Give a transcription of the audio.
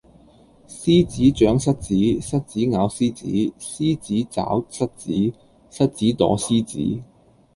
獅子長蝨子，蝨子咬獅子，獅子抓蝨子，蝨子躲獅子